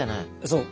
そう。